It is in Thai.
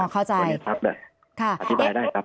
อ๋อเข้าใจอธิบายได้ครับ